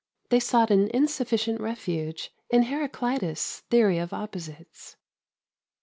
They sought an insufficient refuge in Heraclitus' theory of opposites.